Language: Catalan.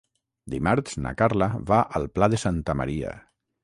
Dimarts na Carla va al Pla de Santa Maria.